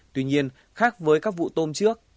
tuy nhiên khác với các vụ tôm trước